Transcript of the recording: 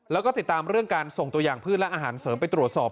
แล้วก็ติดตามเรื่องการส่งตัวอย่างพืชและอาหารเสริมไปตรวจสอบ